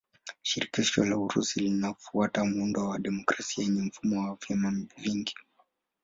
Shirikisho la Urusi linafuata muundo wa demokrasia yenye mfumo wa vyama vingi.